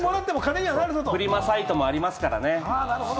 フリマサイトもありますからね。